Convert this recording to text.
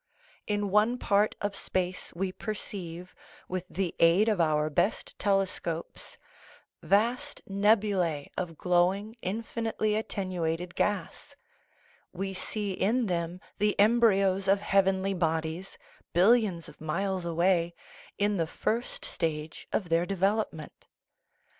In one part of space we perceive, with the aid of our best tele scopes, vast nebulae of glowing, infinitely attenuated gas ; we see in them the embryos of heavenly bodies, billions of miles away, in the first stage of their devel opment.